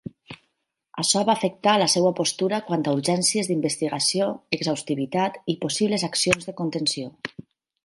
Açò va afectar la seva postura quant a urgències d'investigació, exhaustivitat i possibles accions de contenció.